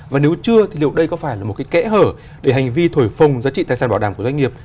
và nếu chưa thì liệu đây có phải là một cái kẽ hở để hành vi thổi phồng giá trị tài sản bảo đảm của doanh nghiệp